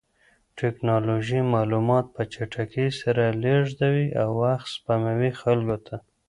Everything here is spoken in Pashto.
ټکنالوژي معلومات په چټکۍ سره لېږدوي او وخت سپموي خلکو ته.